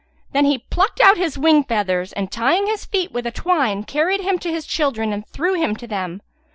Then he plucked out his wing feathers and, tying his feet with a twine, carried him to his children and threw him to them.